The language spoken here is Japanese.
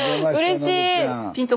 うれしい！